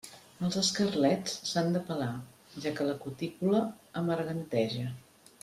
Els escarlets s'han de pelar, ja que la cutícula amarganteja.